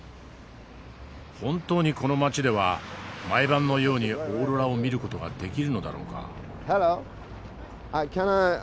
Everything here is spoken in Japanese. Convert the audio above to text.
本当にこの街では毎晩のようにオーロラを見る事ができるのだろうか？